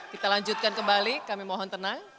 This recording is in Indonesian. kita lanjutkan kembali kami mohon tenang